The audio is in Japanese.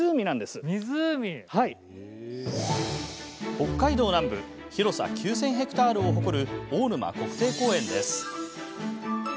北海道南部広さ９０００ヘクタールを誇る大沼国定公園です。